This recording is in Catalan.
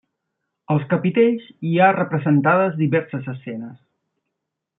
Als capitells hi ha representades diverses escenes.